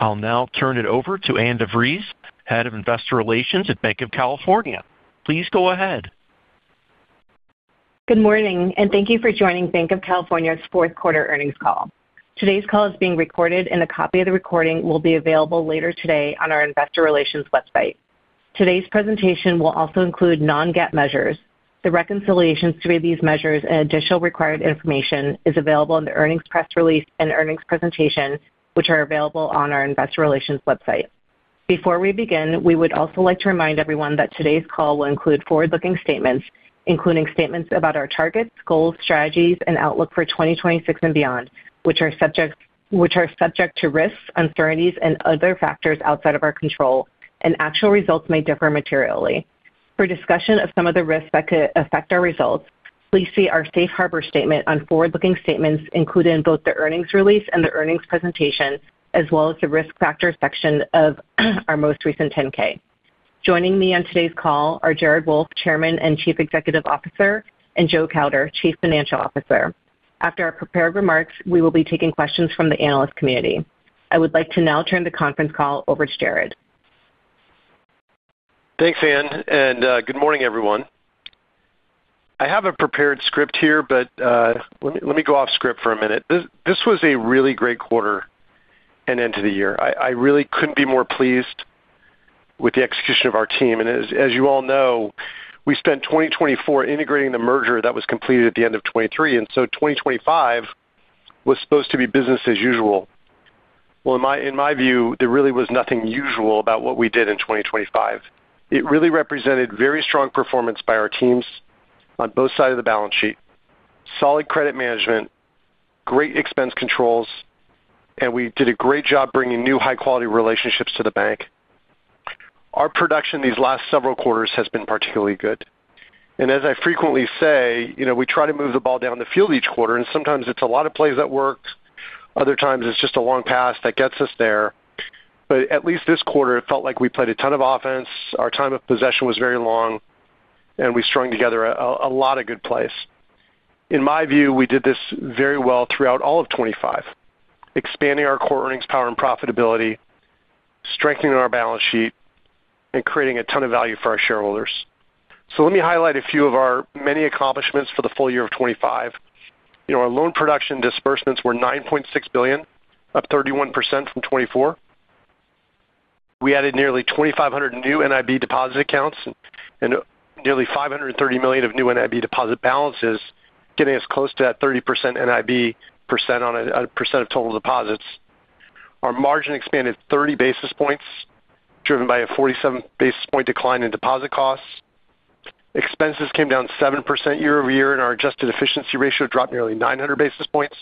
I'll now turn it over to Ann DeVries, Head of Investor Relations at Banc of California. Please go ahead. Good morning, and thank you for joining Banc of California's fourth quarter earnings call. Today's call is being recorded, and a copy of the recording will be available later today on our Investor Relations website. Today's presentation will also include non-GAAP measures. The reconciliation to these measures and additional required information is available in the earnings press release and earnings presentation, which are available on our Investor Relations website. Before we begin, we would also like to remind everyone that today's call will include forward-looking statements, including statements about our targets, goals, strategies, and outlook for 2026 and beyond, which are subject to risks, uncertainties, and other factors outside of our control, and actual results may differ materially. For discussion of some of the risks that could affect our results, please see our Safe Harbor statement on forward-looking statements included in both the earnings release and the earnings presentation, as well as the risk factor section of our most recent 10-K. Joining me on today's call are Jared Wolff, Chairman and Chief Executive Officer, and Joe Kauder, Chief Financial Officer. After our prepared remarks, we will be taking questions from the analyst community. I would like to now turn the conference call over to Jared. Thanks, Ann, and good morning, everyone. I have a prepared script here, but let me go off script for a minute. This was a really great quarter and end to the year. I really couldn't be more pleased with the execution of our team, and as you all know, we spent 2024 integrating the merger that was completed at the end of 2023, and so 2025 was supposed to be business as usual, well, in my view, there really was nothing usual about what we did in 2025. It really represented very strong performance by our teams on both sides of the balance sheet: solid credit management, great expense controls, and we did a great job bringing new high-quality relationships to the bank. Our production these last several quarters has been particularly good. And as I frequently say, we try to move the ball down the field each quarter, and sometimes it's a lot of plays that work. Other times, it's just a long pass that gets us there. But at least this quarter, it felt like we played a ton of offense. Our time of possession was very long, and we strung together a lot of good plays. In my view, we did this very well throughout all of 2025, expanding our core earnings power and profitability, strengthening our balance sheet, and creating a ton of value for our shareholders. So let me highlight a few of our many accomplishments for the full year of 2025. Our loan production disbursements were $9.6 billion, up 31% from 2024. We added nearly 2,500 new NIB deposit accounts and nearly $530 million of new NIB deposit balances, getting us close to that 30% NIB % on a % of total deposits. Our margin expanded 30 basis points, driven by a 47 basis point decline in deposit costs. Expenses came down 7% year over year, and our adjusted efficiency ratio dropped nearly 900 basis points.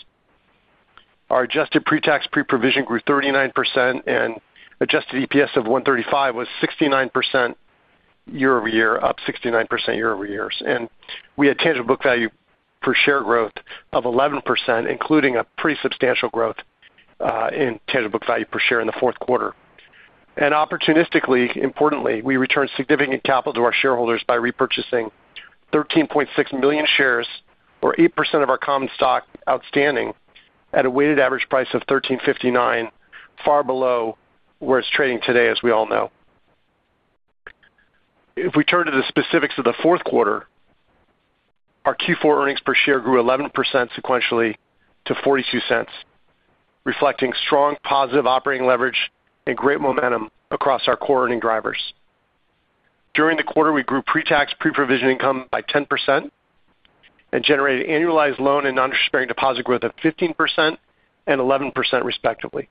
Our adjusted pre-tax pre-provision grew 39%, and adjusted EPS of $135 was 69% year over year, up 69% year over years. And we had tangible book value per share growth of 11%, including a pretty substantial growth in tangible book value per share in the fourth quarter. And opportunistically, importantly, we returned significant capital to our shareholders by repurchasing 13.6 million shares, or 8% of our common stock outstanding, at a weighted average price of $1,359, far below where it's trading today, as we all know. If we turn to the specifics of the fourth quarter, our Q4 earnings per share grew 11% sequentially to $0.42, reflecting strong positive operating leverage and great momentum across our core earning drivers. During the quarter, we grew pre-tax pre-provision income by 10% and generated annualized loan and non-responsive deposit growth of 15% and 11%, respectively.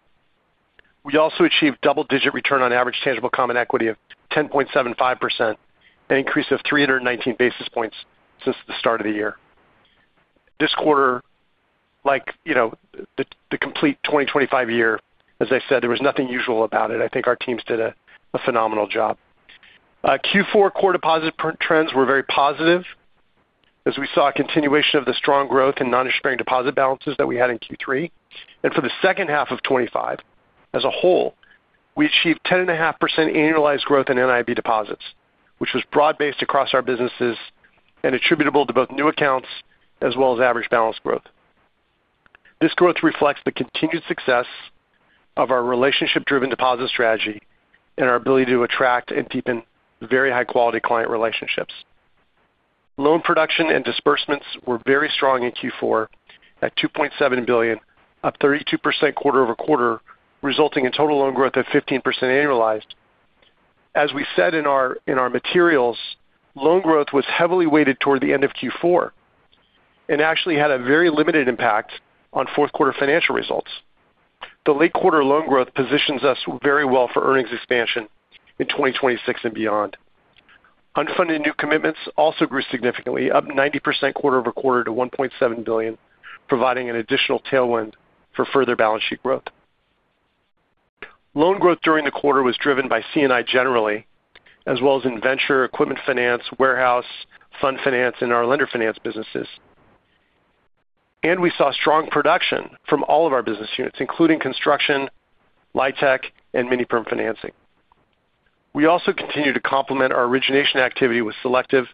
We also achieved double-digit return on average tangible common equity of 10.75%, an increase of 319 basis points since the start of the year. This quarter, like the complete 2025 year, as I said, there was nothing usual about it. I think our teams did a phenomenal job. Q4 core deposit trends were very positive, as we saw a continuation of the strong growth in non-responsive deposit balances that we had in Q3. And for the second half of 2025, as a whole, we achieved 10.5% annualized growth in NIB deposits, which was broad-based across our businesses and attributable to both new accounts as well as average balance growth. This growth reflects the continued success of our relationship-driven deposit strategy and our ability to attract and deepen very high-quality client relationships. Loan production and disbursements were very strong in Q4 at $2.7 billion, up 32% quarter over quarter, resulting in total loan growth of 15% annualized. As we said in our materials, loan growth was heavily weighted toward the end of Q4 and actually had a very limited impact on fourth quarter financial results. The late quarter loan growth positions us very well for earnings expansion in 2026 and beyond. Unfunded new commitments also grew significantly, up 90% quarter over quarter to $1.7 billion, providing an additional tailwind for further balance sheet growth. Loan growth during the quarter was driven by C&I generally, as well as in venture, equipment finance, warehouse, fund finance, and our lender finance businesses, and we saw strong production from all of our business units, including construction, LIHTC, and mini-perm financing. We also continue to complement our origination activity with selective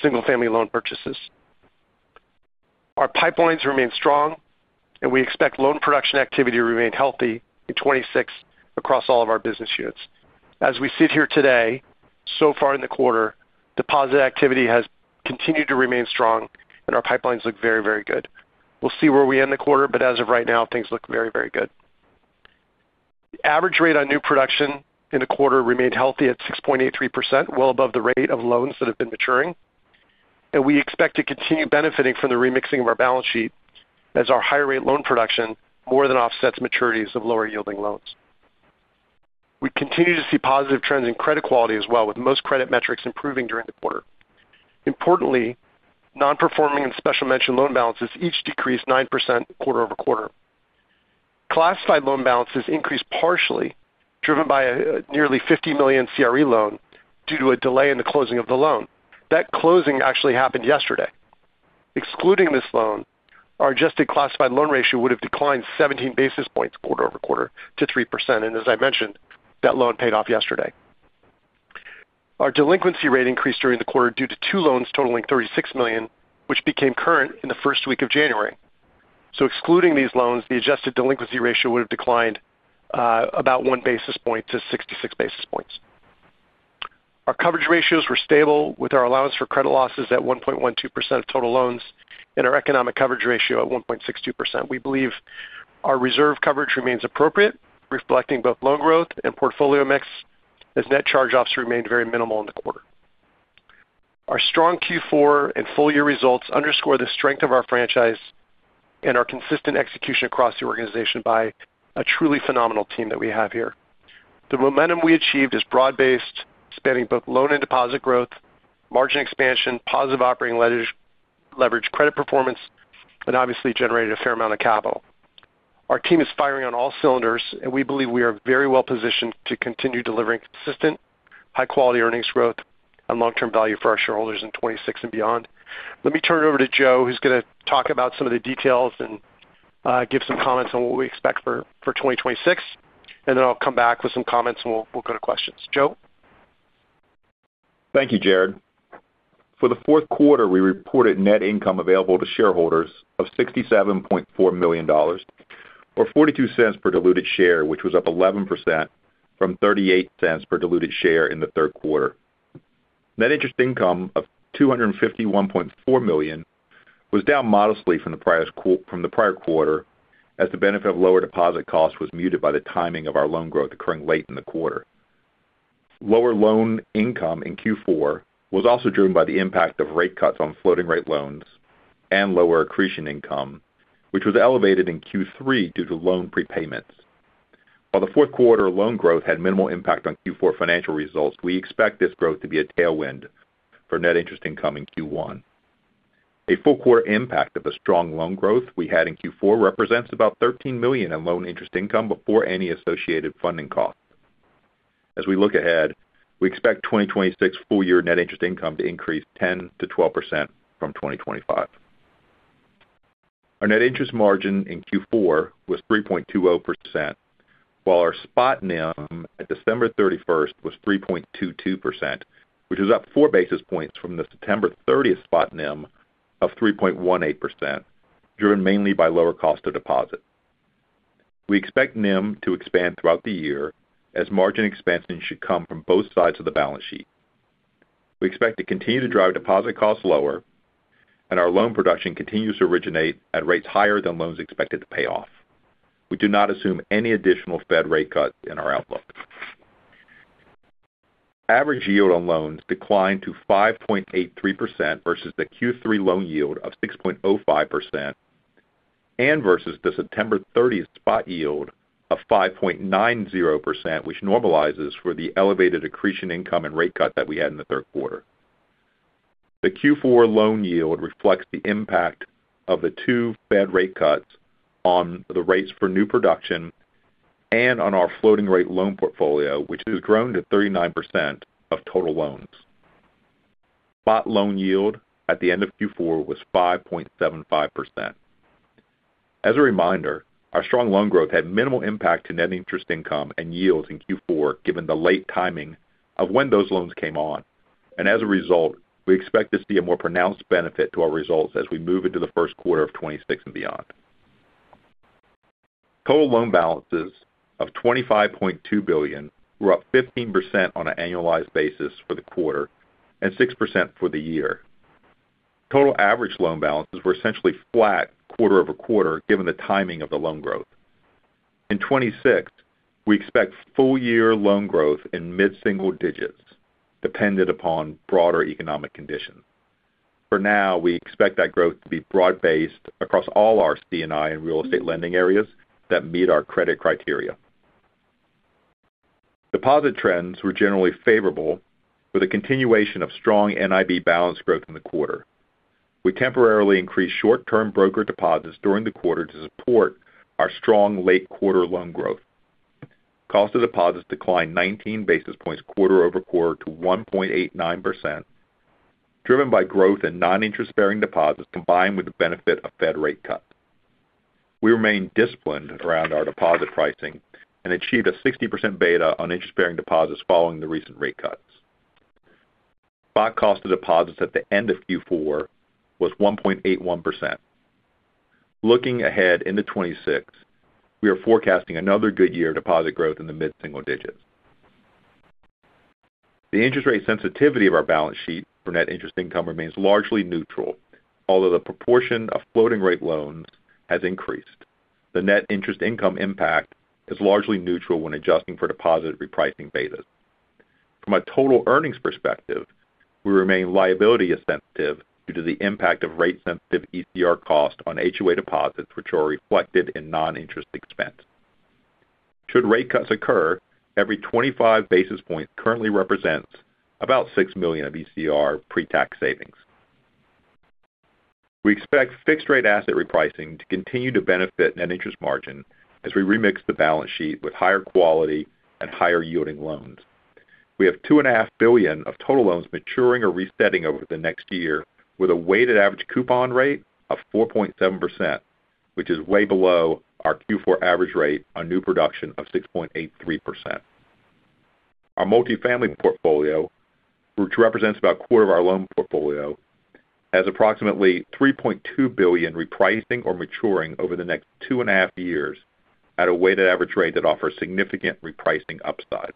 single-family loan purchases. Our pipelines remain strong, and we expect loan production activity to remain healthy in 2026 across all of our business units. As we sit here today, so far in the quarter, deposit activity has continued to remain strong, and our pipelines look very, very good. We'll see where we end the quarter, but as of right now, things look very, very good. Average rate on new production in the quarter remained healthy at 6.83%, well above the rate of loans that have been maturing. We expect to continue benefiting from the remixing of our balance sheet, as our higher rate loan production more than offsets maturities of lower-yielding loans. We continue to see positive trends in credit quality as well, with most credit metrics improving during the quarter. Importantly, non-performing and special-mentioned loan balances each decreased 9% quarter over quarter. Classified loan balances increased partially, driven by a nearly $50 million CRE loan due to a delay in the closing of the loan. That closing actually happened yesterday. Excluding this loan, our adjusted classified loan ratio would have declined 17 basis points quarter over quarter to 3%. As I mentioned, that loan paid off yesterday. Our delinquency rate increased during the quarter due to two loans totaling $36 million, which became current in the first week of January. So excluding these loans, the adjusted delinquency ratio would have declined about one basis point to 66 basis points. Our coverage ratios were stable, with our allowance for credit losses at 1.12% of total loans and our economic coverage ratio at 1.62%. We believe our reserve coverage remains appropriate, reflecting both loan growth and portfolio mix, as net charge-offs remained very minimal in the quarter. Our strong Q4 and full-year results underscore the strength of our franchise and our consistent execution across the organization by a truly phenomenal team that we have here. The momentum we achieved is broad-based, spanning both loan and deposit growth, margin expansion, positive operating leverage, credit performance, and obviously generated a fair amount of capital. Our team is firing on all cylinders, and we believe we are very well positioned to continue delivering consistent high-quality earnings growth and long-term value for our shareholders in 2026 and beyond. Let me turn it over to Joe, who's going to talk about some of the details and give some comments on what we expect for 2026. And then I'll come back with some comments, and we'll go to questions. Joe. Thank you, Jared. For the fourth quarter, we reported net income available to shareholders of $67.4 million, or $0.42 per diluted share, which was up 11% from $0.38 per diluted share in the third quarter. Net interest income of $251.4 million was down modestly from the prior quarter, as the benefit of lower deposit costs was muted by the timing of our loan growth occurring late in the quarter. Lower loan income in Q4 was also driven by the impact of rate cuts on floating-rate loans and lower accretion income, which was elevated in Q3 due to loan prepayments. While the fourth quarter loan growth had minimal impact on Q4 financial results, we expect this growth to be a tailwind for net interest income in Q1. A four-quarter impact of the strong loan growth we had in Q4 represents about $13 million in loan interest income before any associated funding costs. As we look ahead, we expect 2026 full-year net interest income to increase 10%-12% from 2025. Our net interest margin in Q4 was 3.20%, while our spot NIM at December 31st was 3.22%, which was up four basis points from the September 30th spot NIM of 3.18%, driven mainly by lower cost of deposit. We expect NIM to expand throughout the year, as margin expansion should come from both sides of the balance sheet. We expect to continue to drive deposit costs lower, and our loan production continues to originate at rates higher than loans expected to pay off. We do not assume any additional Fed rate cuts in our outlook. Average yield on loans declined to 5.83% versus the Q3 loan yield of 6.05% and versus the September 30th spot yield of 5.90%, which normalizes for the elevated accretion income and rate cut that we had in the Q3. The Q4 loan yield reflects the impact of the two Fed rate cuts on the rates for new production and on our floating-rate loan portfolio, which has grown to 39% of total loans. Spot loan yield at the end of Q4 was 5.75%. As a reminder, our strong loan growth had minimal impact to net interest income and yields in Q4, given the late timing of when those loans came on. And as a result, we expect to see a more pronounced benefit to our results as we move into the Q1 of 2026 and beyond. Total loan balances of $25.2 billion were up 15% on an annualized basis for the quarter and 6% for the year. Total average loan balances were essentially flat quarter over quarter, given the timing of the loan growth. In 2026, we expect full-year loan growth in mid-single digits, dependent upon broader economic conditions. For now, we expect that growth to be broad-based across all our C&I and real estate lending areas that meet our credit criteria. Deposit trends were generally favorable, with a continuation of strong NIB balance growth in the quarter. We temporarily increased short-term broker deposits during the quarter to support our strong late quarter loan growth. Cost of deposits declined 19 basis points quarter over quarter to 1.89%, driven by growth in non-interest-bearing deposits combined with the benefit of Fed rate cuts. We remained disciplined around our deposit pricing and achieved a 60% beta on interest-bearing deposits following the recent rate cuts. Spot cost of deposits at the end of Q4 was 1.81%. Looking ahead into 2026, we are forecasting another good year of deposit growth in the mid-single digits. The interest rate sensitivity of our balance sheet for net interest income remains largely neutral, although the proportion of floating-rate loans has increased. The net interest income impact is largely neutral when adjusting for deposit repricing betas. From a total earnings perspective, we remain liability-sensitive due to the impact of rate-sensitive ECR cost on HOA deposits, which are reflected in non-interest expense. Should rate cuts occur, every 25 basis points currently represents about $6 million of ECR pre-tax savings. We expect fixed-rate asset repricing to continue to benefit net interest margin as we remix the balance sheet with higher quality and higher-yielding loans. We have $2.5 billion of total loans maturing or resetting over the next year, with a weighted average coupon rate of 4.7%, which is way below our Q4 average rate on new production of 6.83%. Our multifamily portfolio, which represents about a quarter of our loan portfolio, has approximately $3.2 billion repricing or maturing over the next two and a half years at a weighted average rate that offers significant repricing upside.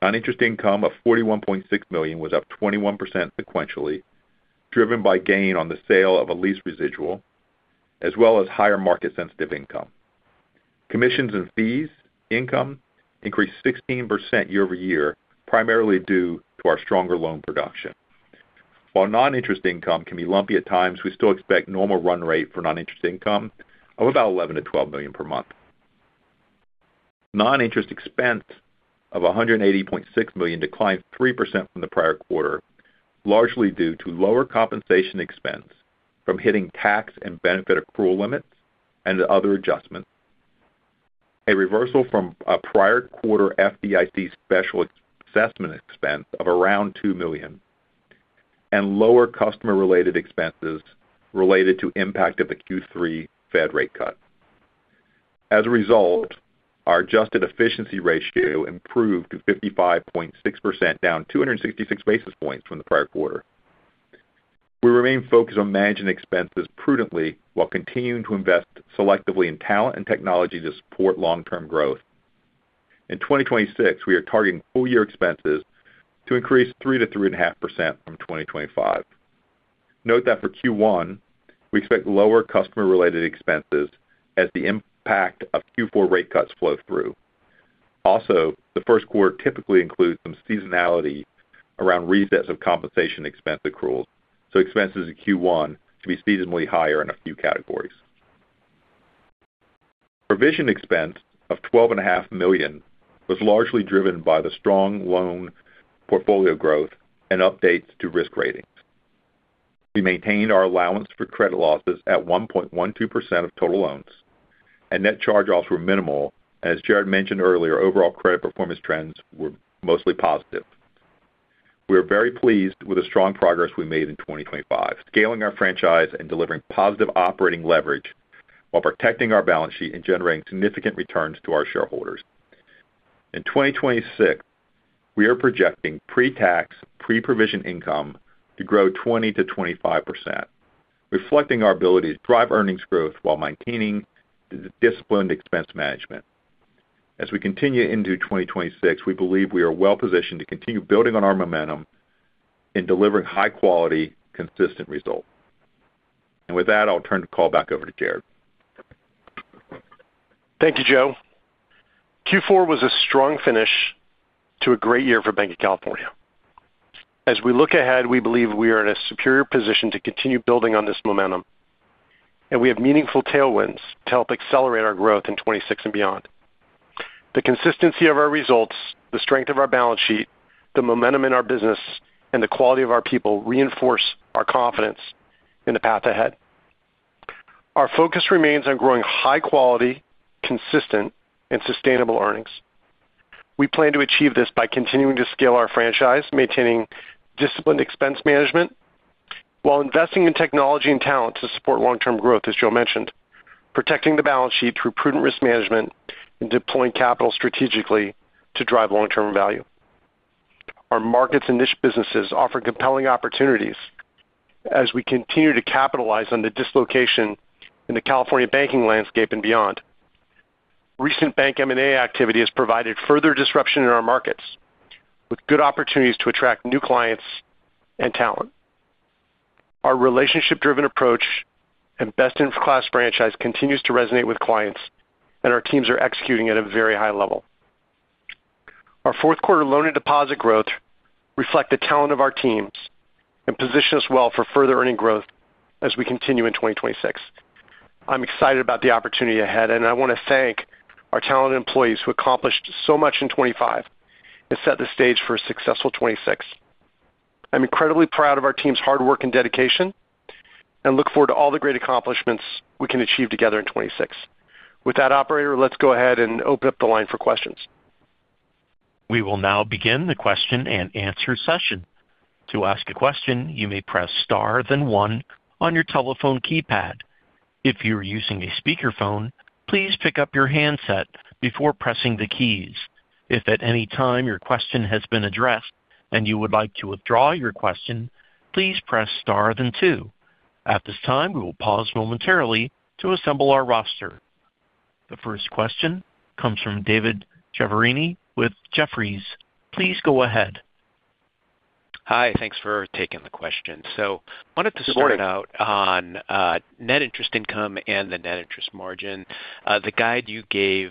Non-interest income of $41.6 million was up 21% sequentially, driven by gain on the sale of a lease residual, as well as higher market-sensitive income. Commissions and fees income increased 16% year over year, primarily due to our stronger loan production. While non-interest income can be lumpy at times, we still expect normal run rate for non-interest income of about $11 million-$12 million per month. Non-interest expense of $180.6 million declined 3% from the prior quarter, largely due to lower compensation expense from hitting tax and benefit accrual limits and other adjustments, a reversal from a prior quarter FDIC special assessment expense of around $2 million, and lower customer-related expenses related to impact of the Q3 Fed rate cut. As a result, our adjusted efficiency ratio improved to 55.6%, down 266 basis points from the prior quarter. We remain focused on managing expenses prudently while continuing to invest selectively in talent and technology to support long-term growth. In 2026, we are targeting full-year expenses to increase 3%-3.5% from 2025. Note that for Q1, we expect lower customer-related expenses as the impact of Q4 rate cuts flows through. Also, the first quarter typically includes some seasonality around resets of compensation expense accruals, so expenses in Q1 should be seasonally higher in a few categories. Provision expense of $12.5 million was largely driven by the strong loan portfolio growth and updates to risk ratings. We maintained our allowance for credit losses at 1.12% of total loans. Net charge-offs were minimal. As Jared mentioned earlier, overall credit performance trends were mostly positive. We are very pleased with the strong progress we made in 2025, scaling our franchise and delivering positive operating leverage while protecting our balance sheet and generating significant returns to our shareholders. In 2026, we are projecting pre-tax, pre-provision income to grow 20%-25%, reflecting our ability to drive earnings growth while maintaining disciplined expense management. As we continue into 2026, we believe we are well positioned to continue building on our momentum in delivering high-quality, consistent results. And with that, I'll turn the call back over to Jared. Thank you, Joe. Q4 was a strong finish to a great year for Banc of California. As we look ahead, we believe we are in a superior position to continue building on this momentum, and we have meaningful tailwinds to help accelerate our growth in 2026 and beyond. The consistency of our results, the strength of our balance sheet, the momentum in our business, and the quality of our people reinforce our confidence in the path ahead. Our focus remains on growing high-quality, consistent, and sustainable earnings. We plan to achieve this by continuing to scale our franchise, maintaining disciplined expense management while investing in technology and talent to support long-term growth, as Joe mentioned, protecting the balance sheet through prudent risk management and deploying capital strategically to drive long-term value. Our markets and niche businesses offer compelling opportunities as we continue to capitalize on the dislocation in the California banking landscape and beyond. Recent bank M&A activity has provided further disruption in our markets, with good opportunities to attract new clients and talent. Our relationship-driven approach and best-in-class franchise continues to resonate with clients, and our teams are executing at a very high level. Our Q4 loan and deposit growth reflect the talent of our teams and position us well for further earnings growth as we continue in 2026. I'm excited about the opportunity ahead, and I want to thank our talented employees who accomplished so much in 2025 and set the stage for a successful 2026. I'm incredibly proud of our team's hard work and dedication and look forward to all the great accomplishments we can achieve together in 2026. With that, operator, let's go ahead and open up the line for questions. We will now begin the question and answer session. To ask a question, you may press star then one on your telephone keypad. If you are using a speakerphone, please pick up your handset before pressing the keys. If at any time your question has been addressed and you would like to withdraw your question, please press star then two. At this time, we will pause momentarily to assemble our roster. The first question comes from David Chiaverini with Jefferies. Please go ahead. Hi. Thanks for taking the question. So I wanted to start out on net interest income and the net interest margin. The guide you gave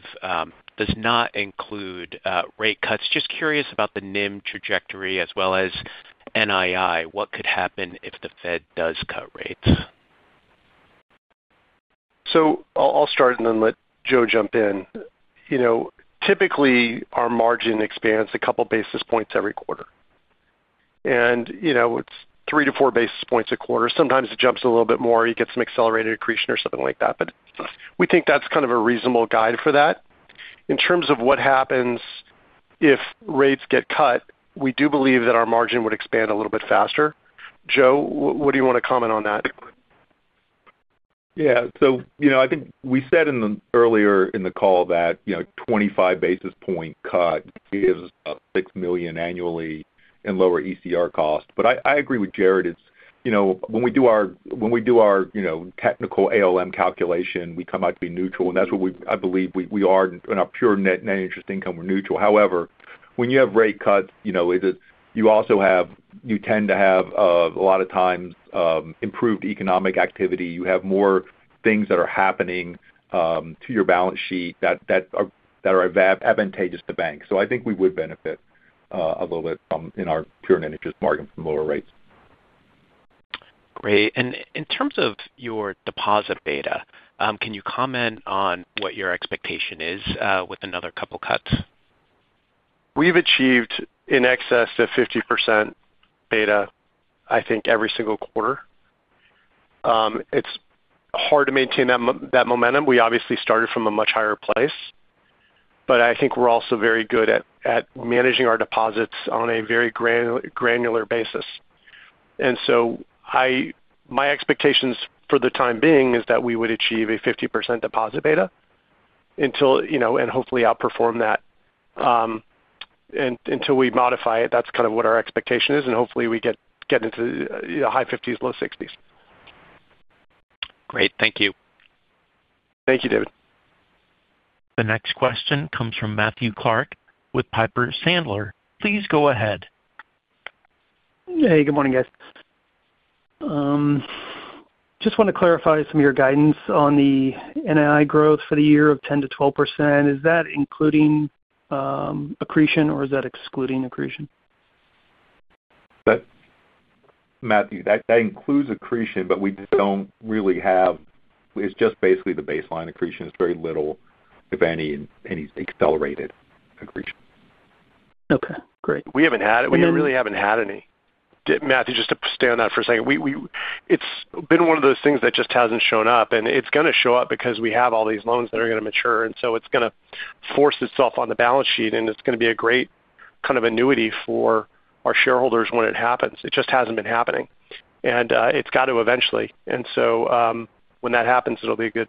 does not include rate cuts. Just curious about the NIM trajectory as well as NII. What could happen if the Fed does cut rates? I'll start and then let Joe jump in. Typically, our margin expands a couple of basis points every quarter. It's three to four basis points a quarter. Sometimes it jumps a little bit more. You get some accelerated accretion or something like that. But we think that's kind of a reasonable guide for that. In terms of what happens if rates get cut, we do believe that our margin would expand a little bit faster. Joe, what do you want to comment on that? Yeah. So I think we said earlier in the call that 25 basis point cut gives us about $6 million annually in lower ECR cost. But I agree with Jared. When we do our technical ALM calculation, we come out to be neutral. And that's what I believe we are in our pure net interest income; we're neutral. However, when you have rate cuts, you also tend to have a lot of times improved economic activity. You have more things that are happening to your balance sheet that are advantageous to banks. So I think we would benefit a little bit in our pure net interest margin from lower rates. Great. And in terms of your deposit beta, can you comment on what your expectation is with another couple of cuts? We've achieved in excess of 50% beta, I think, every single quarter. It's hard to maintain that momentum. We obviously started from a much higher place, but I think we're also very good at managing our deposits on a very granular basis, and so my expectations for the time being is that we would achieve a 50% deposit beta and hopefully outperform that until we modify it. That's kind of what our expectation is, and hopefully, we get into the high 50s, low 60s. Great. Thank you. Thank you, David. The next question comes from Matthew Clark with Piper Sandler. Please go ahead. Hey, good morning, guys. Just want to clarify some of your guidance on the NII growth for the year of 10%-12%. Is that including accretion, or is that excluding accretion? Matthew, that includes accretion, but we don't really have it. It's just basically the baseline accretion. It's very little, if any, accelerated accretion. Okay. Great. We haven't had it. We really haven't had any. Matthew, just to stay on that for a second. It's been one of those things that just hasn't shown up. And it's going to show up because we have all these loans that are going to mature. And so it's going to force itself on the balance sheet. And it's going to be a great kind of annuity for our shareholders when it happens. It just hasn't been happening. And it's got to eventually. And so when that happens, it'll be good.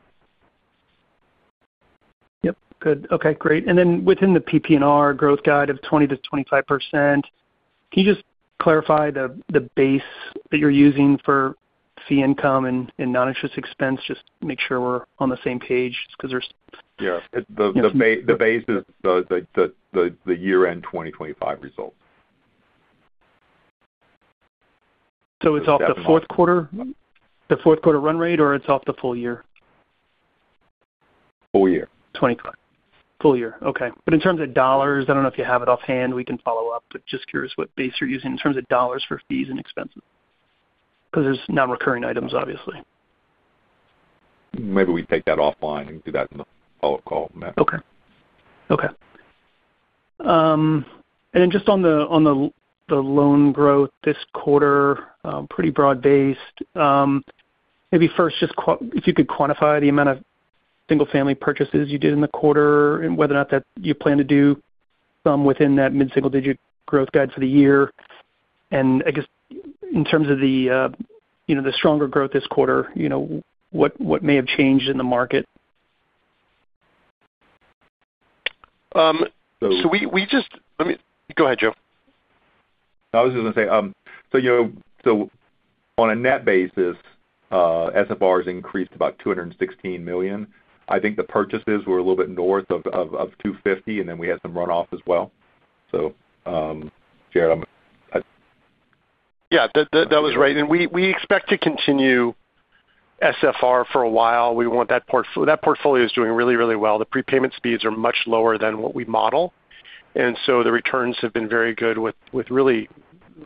Yep. Good. Okay. Great. And then within the PP&R growth guide of 20%-25%, can you just clarify the base that you're using for fee income and non-interest expense? Just make sure we're on the same page because there's. Yeah. The base is the year-end 2025 results. So it's off the Q4? The Q4 run rate, or it's off the full year? Full year. Full year. Okay. But in terms of dollars, I don't know if you have it offhand. We can follow up. But just curious what base you're using in terms of dollars for fees and expenses because there's non-recurring items, obviously. Maybe we take that offline and do that in the follow-up call, Matthew. Okay. Okay. And then just on the loan growth this quarter, pretty broad-based, maybe first just if you could quantify the amount of single-family purchases you did in the quarter and whether or not that you plan to do some within that mid-single-digit growth guide for the year, and I guess in terms of the stronger growth this quarter, what may have changed in the market? So we just. Let me go ahead, Joe. I was just going to say, so on a net basis, SFR has increased about $216 million. I think the purchases were a little bit north of $250, and then we had some runoff as well. So Jared, I'm. Yeah. That was right. And we expect to continue SFR for a while. That portfolio is doing really, really well. The prepayment speeds are much lower than what we model. And so the returns have been very good with really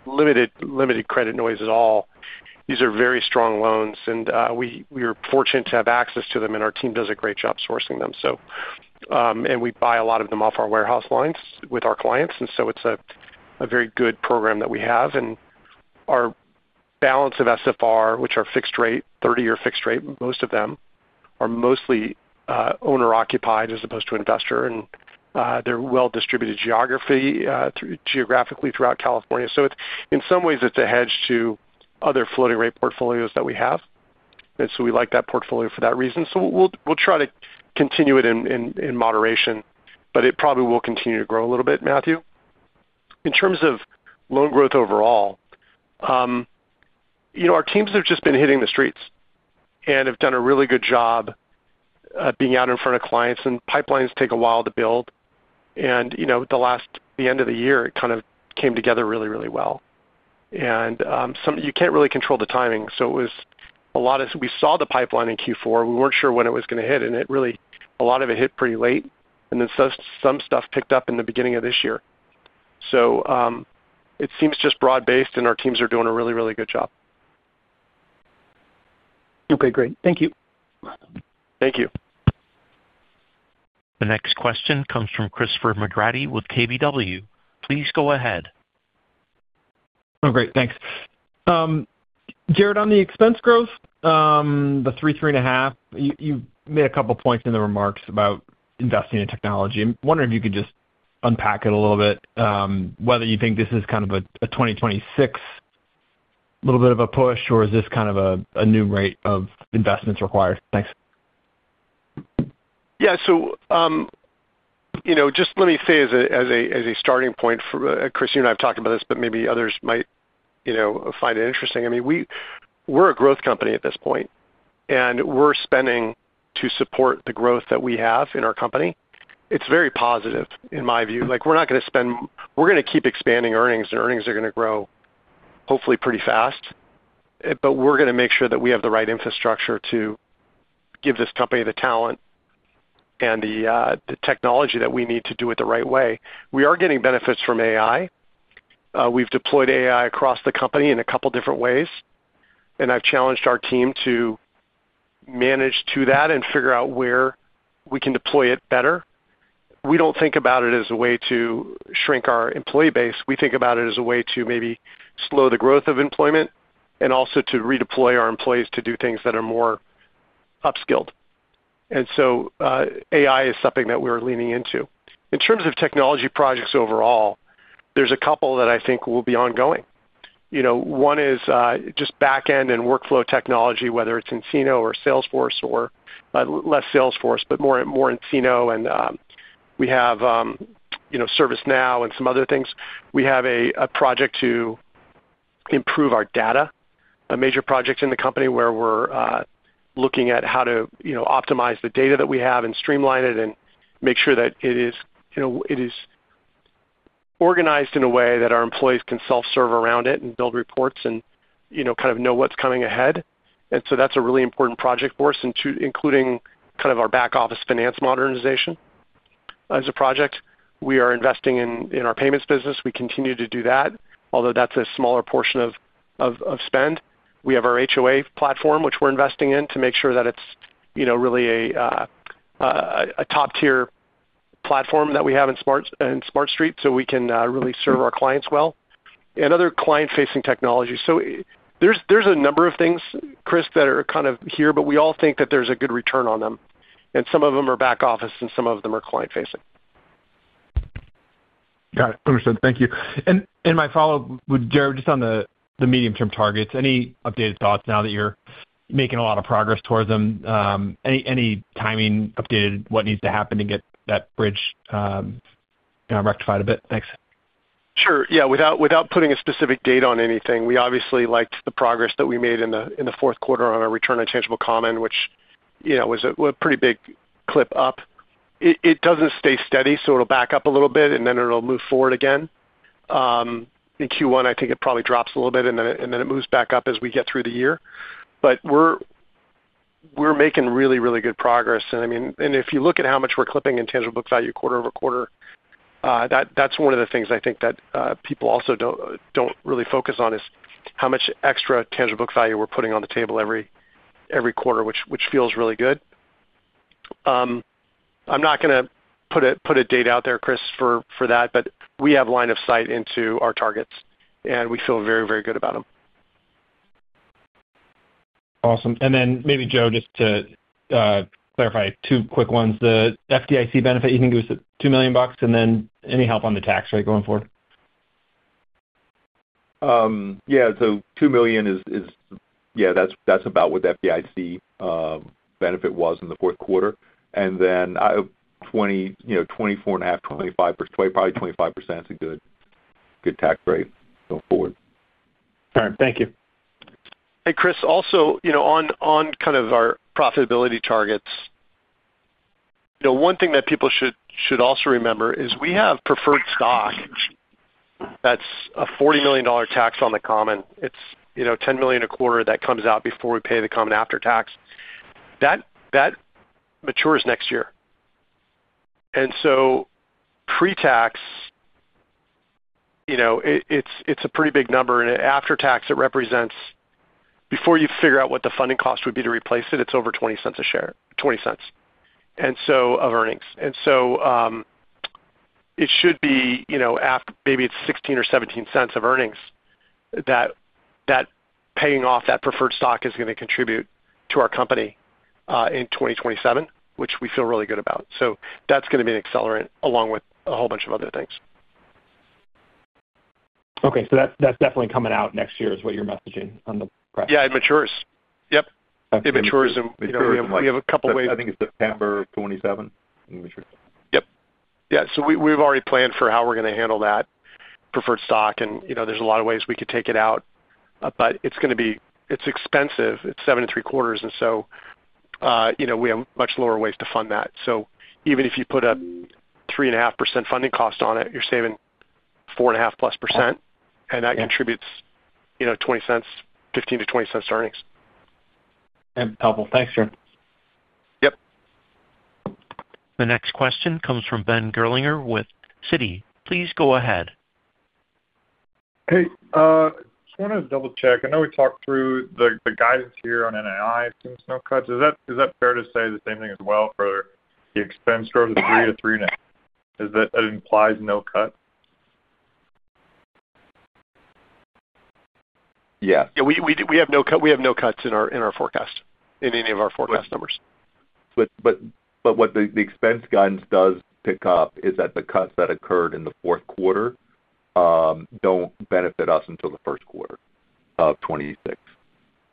limited credit noise at all. These are very strong loans. And we are fortunate to have access to them, and our team does a great job sourcing them. And we buy a lot of them off our warehouse lines with our clients. And so it's a very good program that we have. And our balance of SFR, which are fixed rate, 30-year fixed rate, most of them are mostly owner-occupied as opposed to investor. And they're well-distributed geographically throughout California. So in some ways, it's a hedge to other floating-rate portfolios that we have. And so we like that portfolio for that reason. So we'll try to continue it in moderation, but it probably will continue to grow a little bit, Matthew. In terms of loan growth overall, our teams have just been hitting the streets and have done a really good job being out in front of clients. And pipelines take a while to build. And at the end of the year, it kind of came together really, really well. And you can't really control the timing. So it was a lot. We saw the pipeline in Q4. We weren't sure when it was going to hit. And a lot of it hit pretty late. And then some stuff picked up in the beginning of this year. So it seems just broad-based, and our teams are doing a really, really good job. Okay. Great. Thank you. Thank you. The next question comes from Chris McGratty with KBW. Please go ahead. Oh, great. Thanks. Jared, on the expense growth, the three, three and a half, you made a couple of points in the remarks about investing in technology. I'm wondering if you could just unpack it a little bit, whether you think this is kind of a 2026 little bit of a push, or is this kind of a new rate of investments required? Thanks. Yeah, so just let me say as a starting point, Christine and I have talked about this, but maybe others might find it interesting. I mean, we're a growth company at this point, and we're spending to support the growth that we have in our company. It's very positive, in my view. We're not going to spend, we're going to keep expanding earnings, and earnings are going to grow, hopefully pretty fast, but we're going to make sure that we have the right infrastructure to give this company the talent and the technology that we need to do it the right way. We are getting benefits from AI. We've deployed AI across the company in a couple of different ways, and I've challenged our team to manage to that and figure out where we can deploy it better. We don't think about it as a way to shrink our employee base. We think about it as a way to maybe slow the growth of employment and also to redeploy our employees to do things that are more upskilled. And so AI is something that we're leaning into. In terms of technology projects overall, there's a couple that I think will be ongoing. One is just backend and workflow technology, whether it's nCino or Salesforce or less Salesforce, but more nCino. And we have ServiceNow and some other things. We have a project to improve our data, a major project in the company where we're looking at how to optimize the data that we have and streamline it and make sure that it is organized in a way that our employees can self-serve around it and build reports and kind of know what's coming ahead. And so that's a really important project for us, including kind of our back office finance modernization as a project. We are investing in our payments business. We continue to do that, although that's a smaller portion of spend. We have our HOA platform, which we're investing in to make sure that it's really a top-tier platform that we have in SmartStreet so we can really serve our clients well. And other client-facing technologies. So there's a number of things, Chris, that are kind of here, but we all think that there's a good return on them. And some of them are back office, and some of them are client-facing. Got it. Understood. Thank you. And my follow-up would, Jared, just on the medium-term targets, any updated thoughts now that you're making a lot of progress towards them? Any timing updated what needs to happen to get that bridge rectified a bit? Thanks. Sure. Yeah. Without putting a specific date on anything, we obviously liked the progress that we made in the Q4 on our return on tangible common, which was a pretty big clip up. It doesn't stay steady, so it'll back up a little bit, and then it'll move forward again. In Q1, I think it probably drops a little bit, and then it moves back up as we get through the year. But we're making really, really good progress. And I mean, if you look at how much we're clipping in tangible book value quarter over quarter, that's one of the things I think that people also don't really focus on, is how much extra tangible book value we're putting on the table every quarter, which feels really good. I'm not going to put a date out there, Chris, for that, but we have line of sight into our targets, and we feel very, very good about them. Awesome. And then maybe, Joe, just to clarify two quick ones. The FDIC benefit, you think it was $2 million? And then any help on the tax rate going forward? Yeah. So $2 million is, yeah, that's about what the FDIC benefit was in the fourth quarter. And then 24.5%, 25%, probably 25% is a good tax rate going forward. All right. Thank you. Hey, Chris. Also, on kind of our profitability targets, one thing that people should also remember is we have preferred stock that's a $40 million tax on the common. It's $10 million a quarter that comes out before we pay the common after-tax. That matures next year. And so pre-tax, it's a pretty big number. And after-tax, it represents before you figure out what the funding cost would be to replace it, it's over $0.20 a share, $0.20 of earnings. And so it should be maybe it's $0.16 or $0.17 of earnings that paying off that preferred stock is going to contribute to our company in 2027, which we feel really good about. So that's going to be an accelerant along with a whole bunch of other things. Okay. So that's definitely coming out next year is what you're messaging on the price? Yeah. It matures. Yep. It matures in a period of like, I think we have a couple of ways. I think it's September 27. Let me make sure. Yep. Yeah, so we've already planned for how we're going to handle that preferred stock. There are a lot of ways we could take it out. However, it's going to be. It's expensive. It's 7.75%. We have much lower ways to fund that. Even if you put a 3.5% funding cost on it, you're saving 4.5% plus. That contributes $0.20, $0.15-$0.20 to earnings. Helpful. Thanks, Jared. Yep. The next question comes from Ben Gerlinger with Citi. Please go ahead. Hey. Just wanted to double-check. I know we talked through the guidance here on NII. Seems no cuts. Is that fair to say the same thing as well for the expense growth of 3%-3.5%? That implies no cut? Yes. Yeah. We have no cuts in our forecast, in any of our forecast numbers. But what the expense guidance does pick up is that the cuts that occurred in the Q4 don't benefit us until the first quarter of 2026.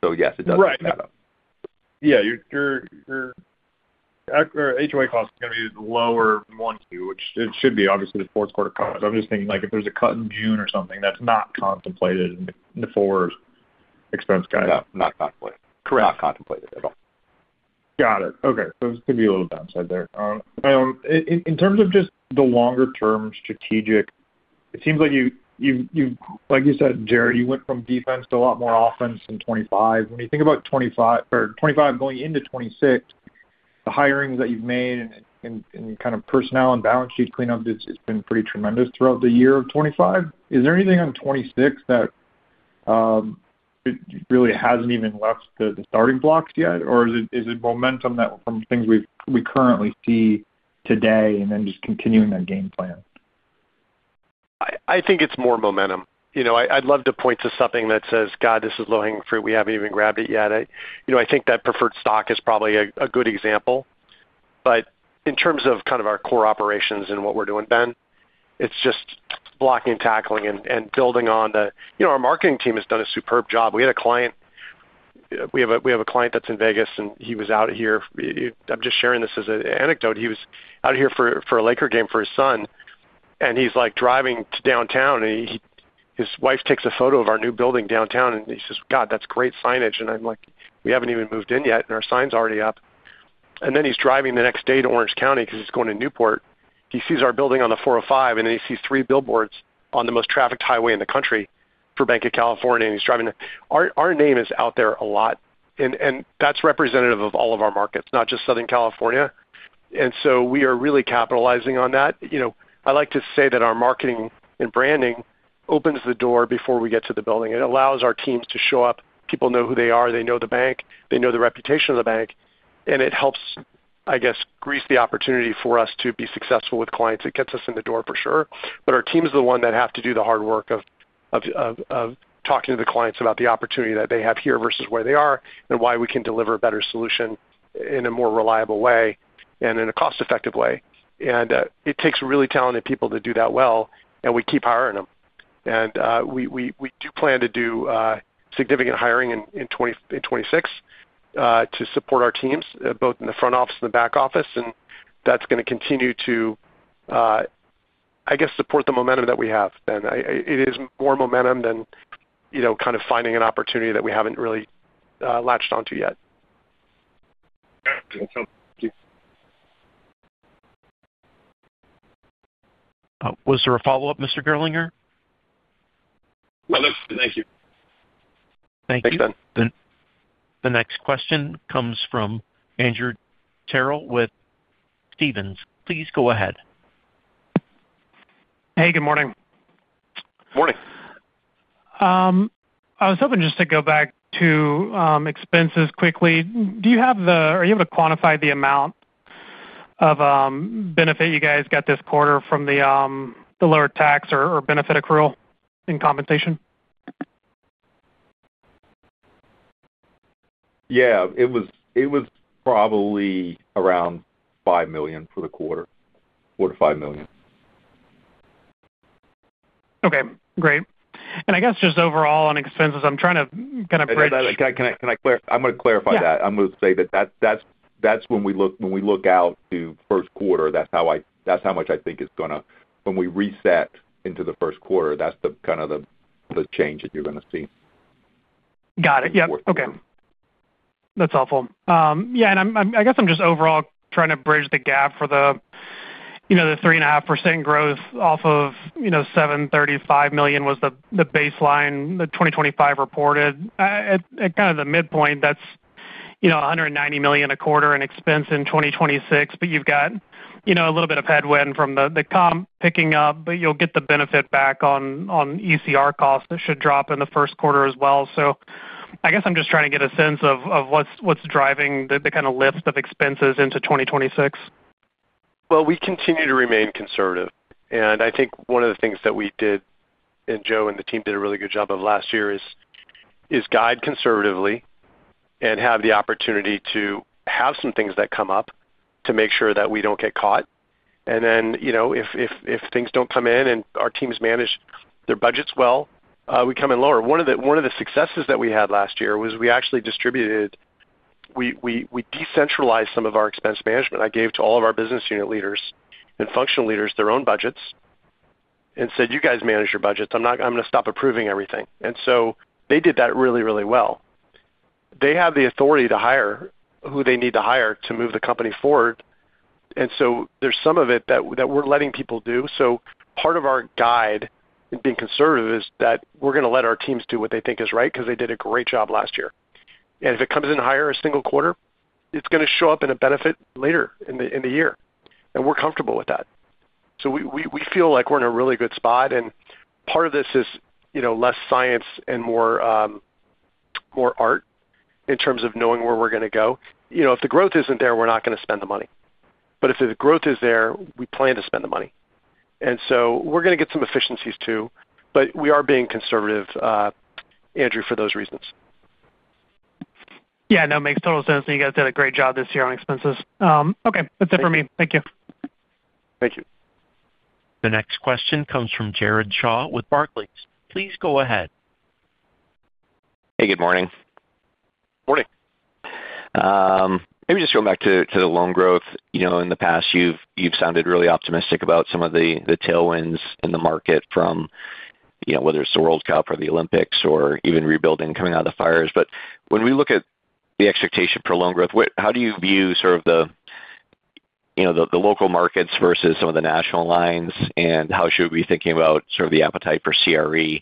So yes, it does pick that up. Right. Yeah. Your HOA cost is going to be lower than one, too, which it should be, obviously, the fourth quarter cut. I'm just thinking if there's a cut in June or something, that's not contemplated in the four expense guide. Not contemplated. Correct. Not contemplated at all. Got it. Okay. So there's going to be a little downside there. In terms of just the longer-term strategic, it seems like you've, like you said, Jared, you went from defense to a lot more offense in 2025. When you think about 2025 or 2025 going into 2026, the hirings that you've made and kind of personnel and balance sheet cleanup has been pretty tremendous throughout the year of 2025. Is there anything on 2026 that really hasn't even left the starting blocks yet? Or is it momentum from things we currently see today and then just continuing that game plan? I think it's more momentum. I'd love to point to something that says, "God, this is low-hanging fruit. We haven't even grabbed it yet." I think that preferred stock is probably a good example. But in terms of kind of our core operations and what we're doing, Ben, it's just blocking and tackling and building on the our marketing team has done a superb job. We have a client that's in Vegas, and he was out here. I'm just sharing this as an anecdote. He was out here for a Laker game for his son. He's driving to downtown. His wife takes a photo of our new building downtown. He says, "God, that's great signage." And I'm like, "We haven't even moved in yet, and our sign's already up." And then he's driving the next day to Orange County because he's going to Newport. He sees our building on the 405, and then he sees three billboards on the most trafficked highway in the country for Banc of California. And he's driving to our name is out there a lot. And that's representative of all of our markets, not just Southern California. And so we are really capitalizing on that. I like to say that our marketing and branding opens the door before we get to the building. It allows our teams to show up. People know who they are. They know the bank. They know the reputation of the bank. And it helps, I guess, grease the opportunity for us to be successful with clients. It gets us in the door for sure. But our team is the one that has to do the hard work of talking to the clients about the opportunity that they have here versus where they are and why we can deliver a better solution in a more reliable way and in a cost-effective way. And it takes really talented people to do that well. And we keep hiring them. And we do plan to do significant hiring in 2026 to support our teams, both in the front office and the back office. And that's going to continue to, I guess, support the momentum that we have, Ben. It is more momentum than kind of finding an opportunity that we haven't really latched onto yet. Got it. That's helpful. Thanks. Was there a follow-up, Mr. Gerlinger? Well, that's good. Thank you. Thank you. Thanks, Ben. The next question comes from Andrew Terrell with Stephens. Please go ahead. Hey, good morning. Good morning. I was hoping just to go back to expenses quickly. Are you able to quantify the amount of benefit you guys got this quarter from the lower tax or benefit accrual in compensation? Yeah. It was probably around $5 million for the quarter, $4-$5 million. Okay. Great, and I guess just overall on expenses, I'm trying to kind of bridge. Can I clarify? I'm going to clarify that. I'm going to say that that's when we look out to first quarter. That's how much I think it's going to when we reset into the first quarter, that's kind of the change that you're going to see. Got it. Yep. Okay. That's helpful. Yeah. And I guess I'm just overall trying to bridge the gap for the 3.5% growth off of $735 million was the baseline, the 2025 reported. At kind of the midpoint, that's $190 million a quarter in expense in 2026. But you've got a little bit of headwind from the comp picking up, but you'll get the benefit back on ECR costs that should drop in the first quarter as well. So I guess I'm just trying to get a sense of what's driving the kind of lift of expenses into 2026. Well, we continue to remain conservative. And I think one of the things that we did, and Joe and the team did a really good job of last year, is guide conservatively and have the opportunity to have some things that come up to make sure that we don't get caught. If things don't come in and our teams manage their budgets well, we come in lower. One of the successes that we had last year was we actually decentralized some of our expense management. I gave to all of our business unit leaders and functional leaders their own budgets and said, "You guys manage your budgets. I'm going to stop approving everything." They did that really, really well. They have the authority to hire who they need to hire to move the company forward. There's some of it that we're letting people do. Part of our guide in being conservative is that we're going to let our teams do what they think is right because they did a great job last year. And if it comes in higher in a single quarter, it's going to show up in a benefit later in the year. And we're comfortable with that. So we feel like we're in a really good spot. And part of this is less science and more art in terms of knowing where we're going to go. If the growth isn't there, we're not going to spend the money. But if the growth is there, we plan to spend the money. And so we're going to get some efficiencies too. But we are being conservative, Andrew, for those reasons. Yeah. No, makes total sense. And you guys did a great job this year on expenses. Okay. That's it for me. Thank you. Thank you. The next question comes from Jared Shaw with Barclays. Please go ahead. Hey, good morning. Morning. Maybe just going back to the loan growth. In the past, you've sounded really optimistic about some of the tailwinds in the market from whether it's the World Cup or the Olympics or even rebuilding coming out of the fires. But when we look at the expectation for loan growth, how do you view sort of the local markets versus some of the national lines? And how should we be thinking about sort of the appetite for CRE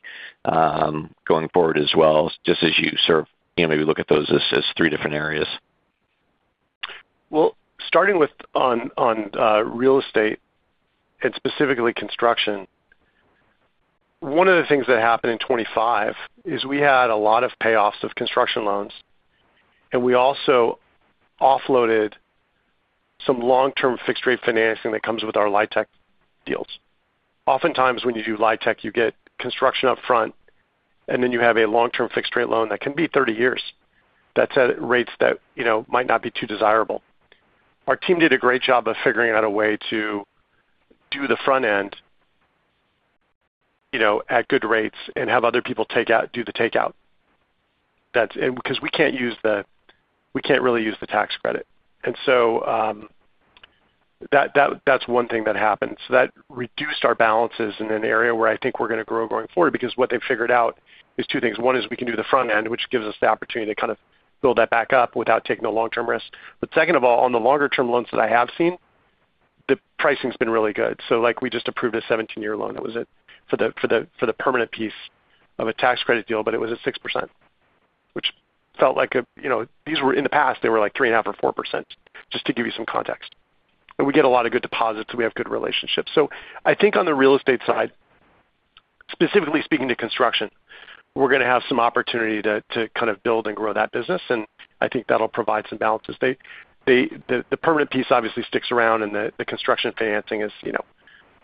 going forward as well, just as you sort of maybe look at those as three different areas? Starting with on real estate and specifically construction, one of the things that happened in 2025 is we had a lot of payoffs of construction loans. And we also offloaded some long-term fixed-rate financing that comes with our LIHTC deals. Oftentimes, when you do LIHTC, you get construction upfront. And then you have a long-term fixed-rate loan that can be 30 years that's at rates that might not be too desirable. Our team did a great job of figuring out a way to do the front end at good rates and have other people do the takeout. Because we can't really use the tax credit. And so that's one thing that happened. So that reduced our balances in an area where I think we're going to grow going forward because what they've figured out is two things. One is we can do the front end, which gives us the opportunity to kind of build that back up without taking a long-term risk. But second of all, on the longer-term loans that I have seen, the pricing has been really good. So we just approved a 17-year loan. It was for the permanent piece of a tax credit deal, but it was at 6%, which felt like. These were in the past, they were like 3.5% or 4%, just to give you some context. And we get a lot of good deposits. We have good relationships. So I think on the real estate side, specifically speaking to construction, we're going to have some opportunity to kind of build and grow that business. And I think that'll provide some balances. The permanent piece obviously sticks around. And the construction financing is